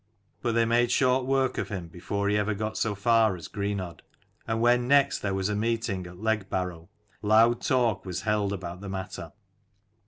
But they made short work of him, before ever he got so far as Greenodd : and when next there was a meeting at Legbarrow, loud talk was held about the matter.